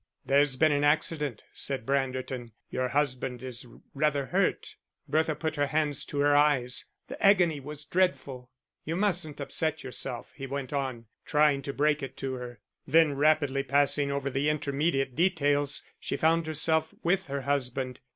"There's been an accident," said Branderton "your husband is rather hurt." Bertha put her hands to her eyes, the agony was dreadful. "You mustn't upset yourself," he went on, trying to break it to her. Then, rapidly passing over the intermediate details she found herself with her husband.